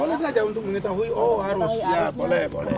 boleh saja untuk mengetahui oh harus ya boleh boleh